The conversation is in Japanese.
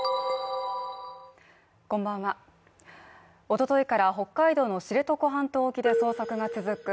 おとといから北海道の知床半島沖で捜索が続く